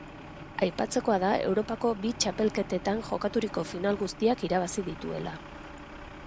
Aipatzekoa da Europako bi txapelketetan jokaturiko final guztiak irabazi dituela.